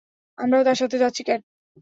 আমরাও তার সাথে যাচ্ছি, ক্যাট!